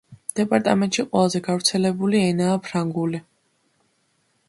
დეპარტამენტში ყველაზე გავრცელებული ენაა ფრანგული.